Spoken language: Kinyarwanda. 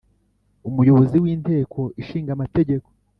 umuyobozi w Inteko Ishinga Amategeko